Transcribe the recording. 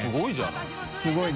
すごいね。